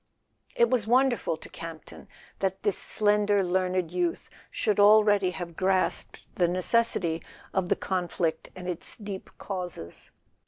It was wonderful to Campton that this slender learned youth should already have grasped the neces¬ sity of the conflict and its deep causes.